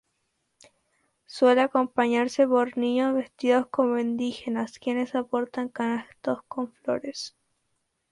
Suele acompañarse por niños vestidos como indígenas, quienes portan canastos con flores.